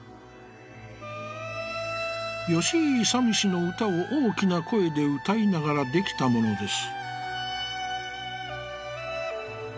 「吉井勇氏の歌を大きな声で歌いながら、出来たものです」。